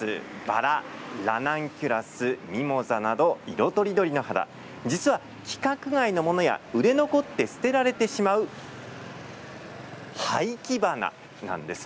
バララナンキュラス、ミモザなど色とりどりの花実は、規格外のものや売れ残って捨てられてしまう廃棄花なんです。